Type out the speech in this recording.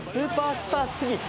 スター過ぎて。